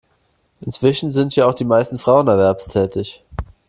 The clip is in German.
Inzwischen sind ja auch die meisten Frauen erwerbstätig.